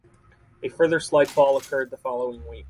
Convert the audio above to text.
A further slight fall occurred the following week.